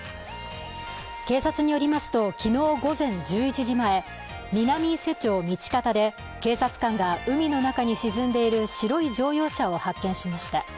警察によりますと、昨日午前１１時前、南伊勢町道方で警察官が海の中に沈んでいる白い乗用車を発見しました。